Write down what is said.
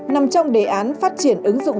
nằm trong đề án phát triển ứng dụng